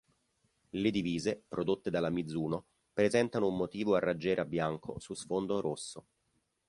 Le divise, prodotte dalla Mizuno, presentano un motivo a raggiera bianco su sfondo rosso.